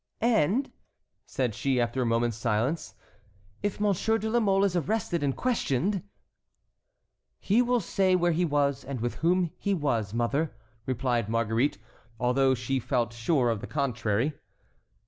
"And," said she after a moment's silence, "if Monsieur de la Mole is arrested and questioned"— "He will say where he was and with whom he was, mother," replied Marguerite, although she felt sure of the contrary.